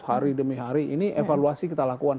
hari demi hari ini evaluasi kita lakukan